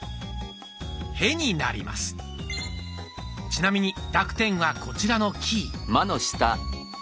ちなみに濁点はこちらのキー。